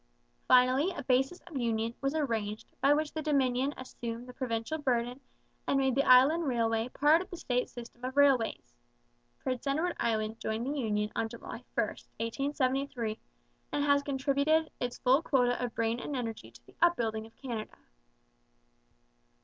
Finally a basis of union was arranged by which the Dominion assumed the provincial burden and made the Island railway part of the state system of railways. Prince Edward Island joined the union on July 1, 1873, and has contributed its full quota of brain and energy to the upbuilding of Canada.